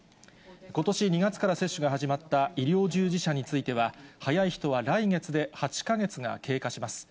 ことし２月から接種が始まった医療従事者については、早い人は来月で８か月が経過します。